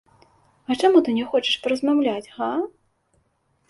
А чаму ты не хочаш паразмаўляць, га?!